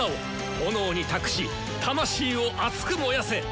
炎に託し魂を熱く燃やせ！